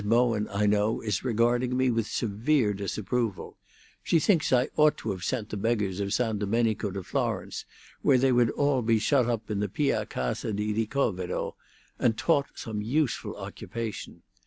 Bowen, I know, is regarding me with severe disapproval. She thinks that I ought to have sent the beggars of San Domenico to Florence, where they would all be shut up in the Pia Casa di Ricovero, and taught some useful occupation.